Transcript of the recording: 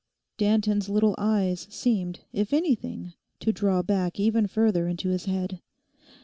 Danton's little eyes seemed, if anything, to draw back even further into his head.